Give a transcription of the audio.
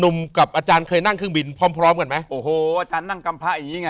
กับอาจารย์เคยนั่งเครื่องบินพร้อมพร้อมกันไหมโอ้โหอาจารย์นั่งกำพระอย่างงี้ไง